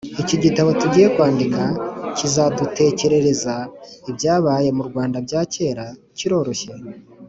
-iki gitabo tugiye kwandika kizadutekerereza ibyabaye mu rwanda bya kera, kiroroshye,